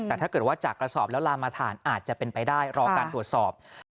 แต่ถ้าเกิดว่าจากกระสอบแล้วลามฐานอาจจะเป็นไปได้รอการตรวจสอบ